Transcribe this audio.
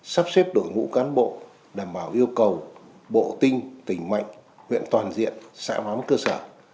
sắp xếp đội ngũ cán bộ đảm bảo yêu cầu bộ tinh tỉnh mạnh huyện toàn diện xã bám cơ sở